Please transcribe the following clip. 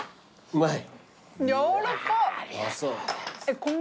うまい！